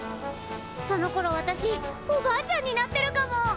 そのころ私おばあちゃんになってるかも！